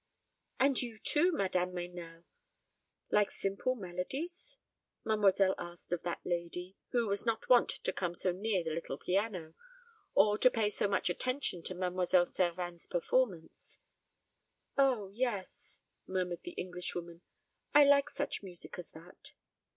"And you, too, Madame Meynell, like simple melodies?" mademoiselle asked of that lady, who was not wont to come so near the little piano, or to pay so much attention to Mademoiselle Servin's performance. "O yes," murmured the Englishwoman, "I like such music as that."